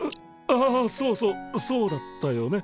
ああそうそうそうだったよね。